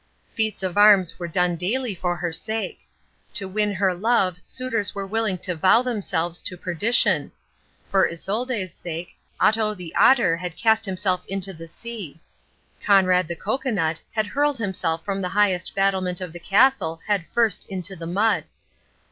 Feats of arms were done daily for her sake. To win her love suitors were willing to vow themselves to perdition. For Isolde's sake, Otto the Otter had cast himself into the sea. Conrad the Cocoanut had hurled himself from the highest battlement of the castle head first into the mud.